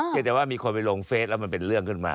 แต่ว่ามีคนไปลงเฟสแล้วมันเป็นเรื่องขึ้นมา